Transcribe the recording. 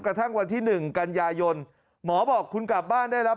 กระทั่งวันที่๑กันยายนหมอบอกคุณกลับบ้านได้แล้ว